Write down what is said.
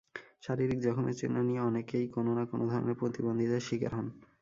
শারীরিক জখমের চিহ্ন নিয়ে অনেকেই কোনো না-কোনো ধরনের প্রতিবন্ধিতার শিকার হন।